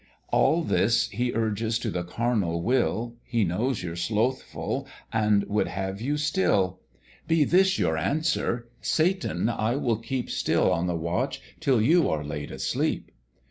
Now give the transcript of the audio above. All this he urges to the carnal will, He knows you're slothful, and would have you still: Be this your answer, 'Satan, I will keep Still on the watch till you are laid asleep.'